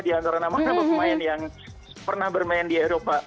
di antara nama nama pemain yang pernah bermain di eropa